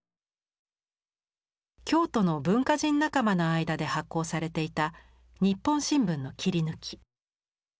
京都の文化人仲間の間で発行されていた「ニッポン新聞」の切り抜き。